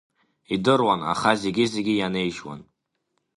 Идыруан, аха зегьы-зегьы ианеижьуан.